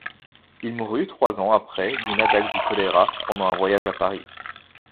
Il mourut trois ans après d'une attaque du choléra, pendant un voyage à Paris.